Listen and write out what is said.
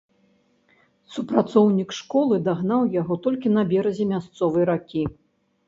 Супрацоўнік школы дагнаў яго толькі на беразе мясцовай ракі.